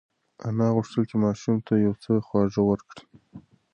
انا غوښتل چې ماشوم ته یو څه خواږه ورکړي.